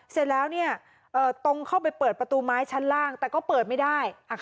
เสร็จแล้วตรงเข้าไปเปิดประตูไม้ชั้นล่างแต่ก็เปิดไม่ได้